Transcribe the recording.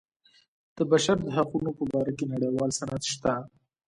د بشر د حقونو په باره کې نړیوال سند شته.